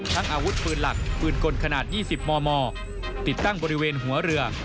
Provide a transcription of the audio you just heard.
อาวุธปืนหลักปืนกลขนาด๒๐มมติดตั้งบริเวณหัวเรือ